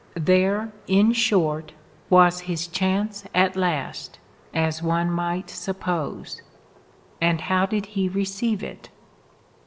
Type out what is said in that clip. There, in short, was his chance at last, as one might suppose; and how did he receive it?